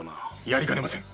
やりかねません。